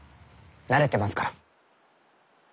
慣れてますから。